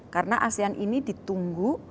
karena asean ini ditunggu